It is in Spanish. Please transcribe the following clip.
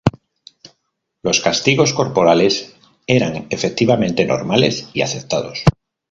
Los castigos corporales eran, efectivamente, normales y aceptados.